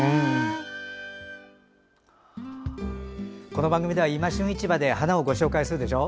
この番組では「いま旬市場」で花をご紹介するでしょ。